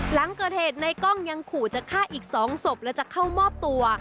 หลังเกิดเหตุในกล้องยังขู่จะฆ่าอีก๒ศพและจะเข้ามอบตัว